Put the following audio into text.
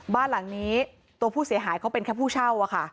บ้านหลังนี้ตัวผู้เสียหายเขาเป็นแค่ผู้เช่า